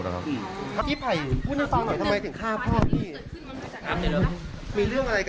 จำได้พี่ทำอะไรพ่อไป